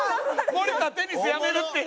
「森田、テニスやめるってよ」。